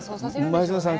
前園さん